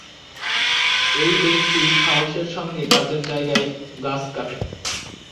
এই ব্যক্তি সাহসের সঙ্গে কাজের জায়গায় গাছ কাটে।